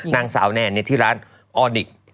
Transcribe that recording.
นางสาวแนนที่ร้านออดิก